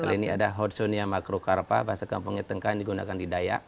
kalau ini ada hodsonia makrocarpa bahasa kampungnya tengka yang digunakan di dayak